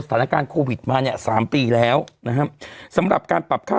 สถานการณ์โควิดมาเนี่ยสามปีแล้วนะฮะสำหรับการปรับค่า